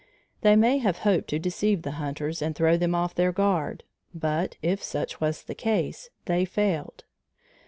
They may have hoped to deceive the hunters and throw them off their guard, but, if such was the case, they failed.